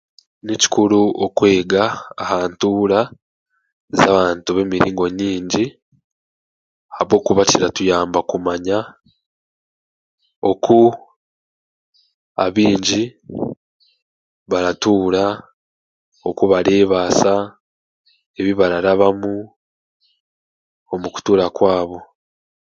Ni kikuru okwega aha ntuura z'abantu b'emiringo nyaingi ahabwokuba kiratuyamba kumanya oku abaingi baratuura okubareebaasa, ebi bararabamu omu kutuura kwabo